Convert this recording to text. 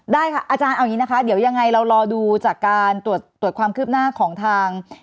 ได้ค่ะอาจารย์เอาอย่างนี้นะคะเดี๋ยวยังไงเรารอดูจากการตรวจความคืบหน้าของทาง